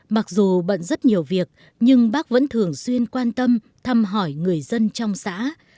mặc dù bận rất nhiều việc nhưng bác vẫn thường xuyên quan tâm thăm hỏi người dân trong xã